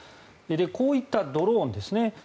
こういったドローンですね